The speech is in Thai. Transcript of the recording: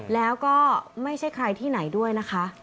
แล้วก็ไม่ใช่ใครที่ไหนด้วยนะคะ